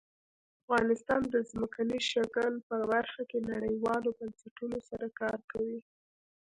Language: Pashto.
افغانستان د ځمکنی شکل په برخه کې نړیوالو بنسټونو سره کار کوي.